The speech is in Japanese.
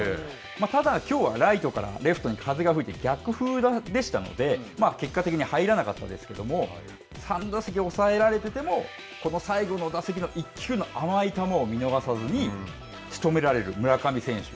ただ、きょうはライトからレフトに風が吹いて、逆風でしたので、入らなかったですけども、３打席抑えられてても、この最後の打席の１球の甘い球を見逃さずにしとめられる村上選手。